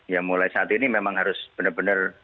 ya mulai saat ini memang harus benar benar